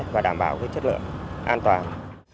và đảm bảo chất lượng an toàn